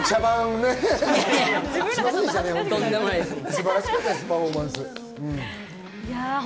素晴らしかった、パフォーマンス。